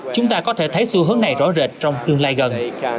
chúng ta có thể thấy xu hướng này rõ rệt trong tương lai gần